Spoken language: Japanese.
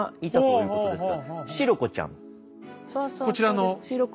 こちらの。